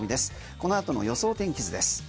このあとの予想天気図です。